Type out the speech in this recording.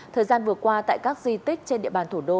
thời gian vừa qua tại các di tích trên địa bàn thủ đô